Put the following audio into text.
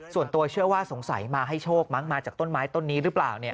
ส่วนตัวเชื่อว่าสงสัยมาให้โชคมั้งมาจากต้นไม้ต้นนี้หรือเปล่า